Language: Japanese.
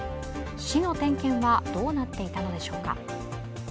市の点検はどうなっていたのでしょうか。